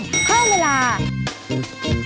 เผ้าใส่ไข่ซบกว่าไข่ไหม้กว่าเดิม